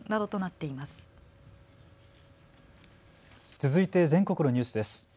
続いて全国のニュースです。